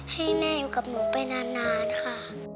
ให้แม่อยู่กับหนูไปนานค่ะ